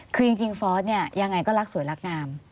คือจริงฟอร์สเนี่ยยังไงก็รักสวยรักงาม